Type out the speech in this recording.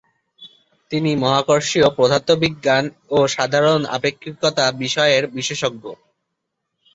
তিনি মহাকর্ষীয় পদার্থবিজ্ঞান ও সাধারণ আপেক্ষিকতা বিষয়ের বিশেষজ্ঞ।